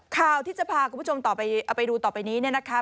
ข่าวที่จะพาคุณผู้ชมไปดูต่อไปนี้นะคะ